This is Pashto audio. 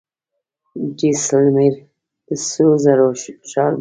جیسلمیر د سرو زرو ښار دی.